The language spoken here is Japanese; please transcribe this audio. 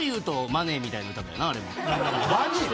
マジで？